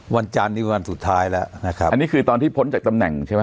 จานนี้วันสุดท้ายแล้วนะครับอันนี้คือตอนที่พ้นจากตำแหน่งใช่ไหม